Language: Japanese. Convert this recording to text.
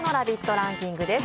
ランキングです。